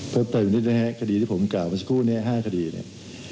เพิ่มเติมนะครับคดีที่ผมกล่าวมาสักครู่หน่อยห้าคดีเนี้ย